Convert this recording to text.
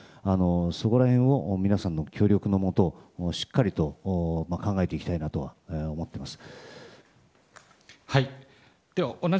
そこら辺を皆さんの協力のもとしっかりと考えていきたいなとは思っています。